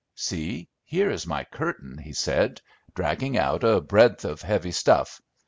"See, here is my curtain!" he said, dragging out a breadth of heavy stuff.